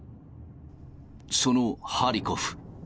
そのハリコフ。